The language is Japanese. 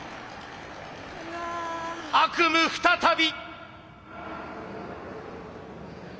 悪夢再び。